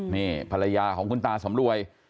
นี่ภรรยาของคุณตาสำรวย